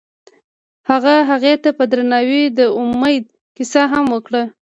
هغه هغې ته په درناوي د امید کیسه هم وکړه.